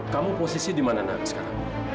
kamu posisi di mana narik sekarang